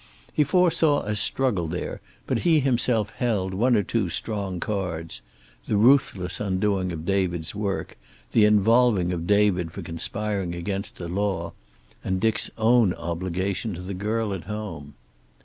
He foresaw a struggle there, but he himself held one or two strong cards the ruthless undoing of David's work, the involving of David for conspiring against the law. And Dick's own obligation to the girl at home.